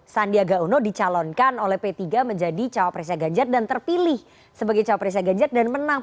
sandiaga uno dicalonkan oleh p tiga menjadi cawapresnya ganjar dan terpilih sebagai cawapresnya ganjar dan menang